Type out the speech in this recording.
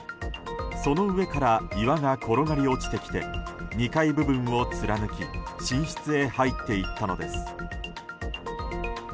その上から岩が転がり落ちてきて２階部分を貫き寝室へ入っていったのです。